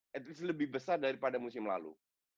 setidaknya lebih besar daripada musim lalu